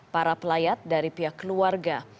para pelayat dari pihak keluarga